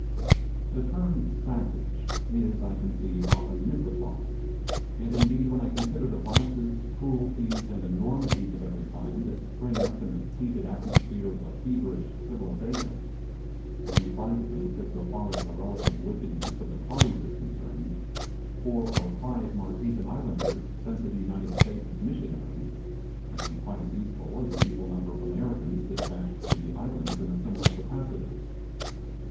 The term 'Savage' is, I conceive, often misapplied, and indeed, when I consider the vices, cruelties, and enormities of every kind that spring up in the tainted atmosphere of a feverish civilization, I am inclined to think that so far as the relative wickedness of the parties is concerned, four or five Marquesan Islanders sent to the United States as Missionaries might be quite as useful as an equal number of Americans despatched to the Islands in a similar capacity.